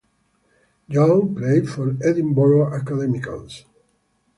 Young played for Edinburgh Academicals.